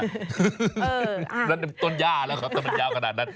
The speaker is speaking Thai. นั่นต้นย่าแล้วครับถ้ามันยาวขนาดนั้น